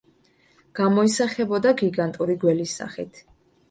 გამოისახებოდა გიგანტური გველის სახით.